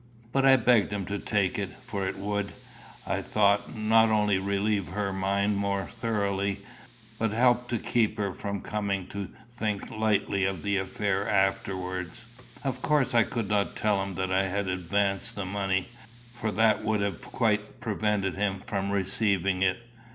But I begged him to take it; for it would, I thought, not only relieve her mind more thoroughly, but help to keep her from coming to think lightly of the affair afterwards. Of course I could not tell him that I had advanced the money, for that would have quite prevented him from receiving it.